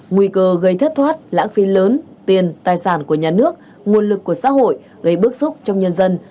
nguy cơ gây thất thoát lãng phí lớn tiền tài sản của nhà nước nguồn lực của xã hội gây bức xúc trong nhân dân